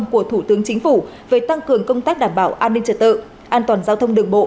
của thủ tướng chính phủ về tăng cường công tác đảm bảo an ninh trật tự an toàn giao thông đường bộ